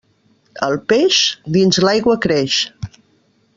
El peix, dins l'aigua creix.